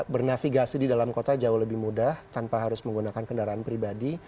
bernavigasi di dalam kota jauh lebih mudah tanpa harus menggunakan kendaraan pribadi